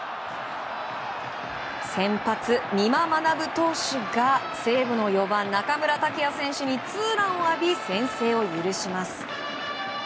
先発、美馬学投手が西武の４番、中村剛也選手にツーランを浴び先制を許します。